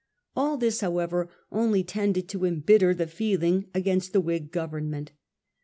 All this, however, only tended to embitter the feeling against the Whig Government.